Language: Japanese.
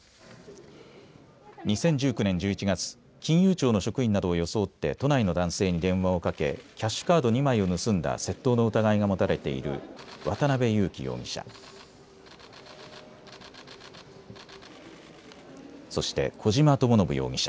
２０１９年１１月、金融庁の職員などを装って都内の男性に電話をかけキャッシュカード２枚を盗んだ窃盗の疑いが持たれている渡邉優樹容疑者。